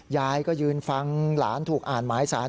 ยายก็ยืนฟังหลานถูกอ่านหมายสาร